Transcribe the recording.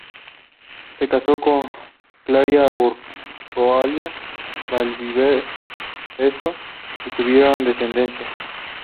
Se casó con Clarisa Urriola Valdivieso y tuvieron descendencia.